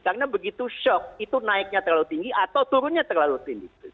karena begitu shock itu naiknya terlalu tinggi atau turunnya terlalu tinggi